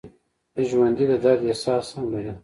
ژوندي د درد احساس هم لري